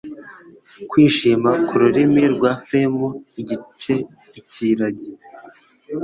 kwishima kururimi rwa flame igiceikiragi